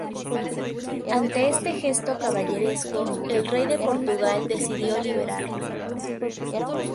Ante este gesto caballeresco, el rey de Portugal decidió liberarlo.